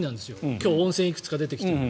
今日、温泉いくつか出てきて。